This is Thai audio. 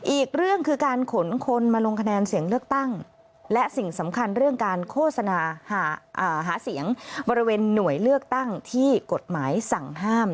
อีกเรื่องคือการขนคนมาลงคะแนนเสียงเลือกตั้งและสิ่งสำคัญเรื่องการโฆษณาหาเสียงบริเวณหน่วยเลือกตั้งที่กฎหมายสั่งห้าม